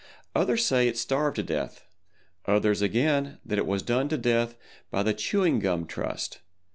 Others say it starved to death. Others again, that it was done to death by the chewing gum trust.